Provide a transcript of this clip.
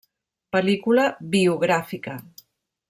Pel·lícula biogràfica.